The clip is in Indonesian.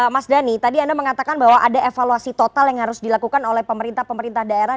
mas dhani tadi anda mengatakan bahwa ada evaluasi total yang harus dilakukan oleh pemerintah pemerintah daerah